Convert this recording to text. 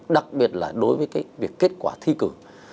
đặc biệt là đối với cái việc kết quả thi cử